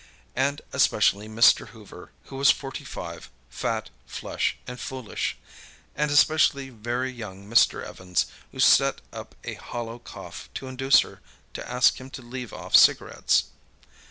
And especially Mr. Hoover, who was forty five, fat, flush and foolish. And especially very young Mr. Evans, who set up a hollow cough to induce her to ask him to leave off cigarettes.